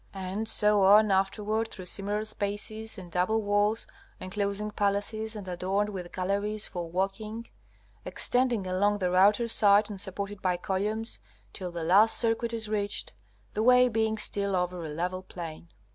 And so on afterward through similar spaces and double walls, enclosing palaces, and adorned with galleries for walking, extending along their outer side, and supported by columns, till the last circuit is reached, the way being still over a level plain.